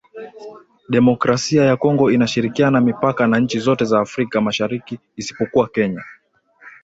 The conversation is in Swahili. Demokrasia ya Kongo inashirikiana mipaka na nchi zote za Afrika Mashariki isipokuwa Kenya